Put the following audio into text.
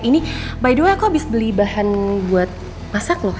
ini by the way aku bisa beli bahan buat masak loh